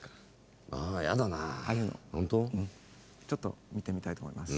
ちょっと見てみたいと思います。